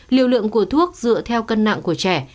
liều lượng của thuốc dựa theo cân nặng của trẻ